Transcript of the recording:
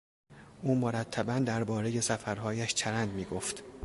او مرتبا دربارهی سفرهایش چرند میگفت.